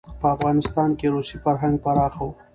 په افغانستان کې روسي فرهنګ پراخه و.